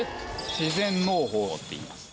自然農法っていいます。